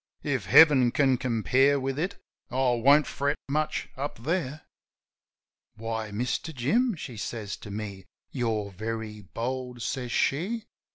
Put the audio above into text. If Heaven can compare with it I won't fret much up there. "Why, Mister Jim," she says to me. "You're very bold," says she.